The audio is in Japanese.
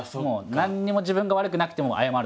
何にも自分が悪くなくてもハハ！